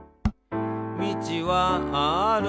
「みちはある」